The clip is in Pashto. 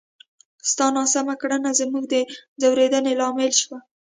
ستا ناسمه کړنه زموږ د ځورېدنې لامل شوه!